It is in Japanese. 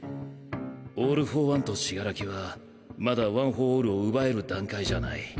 オール・フォー・ワンと死柄木はまだワン・フォー・オールを奪える段階じゃない。